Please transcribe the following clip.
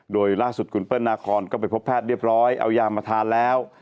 โดยล่าสุดคุณเปิ้ลนาคอนก็ไปพบแพทย์เรียบร้อยเอายามาทานแล้ว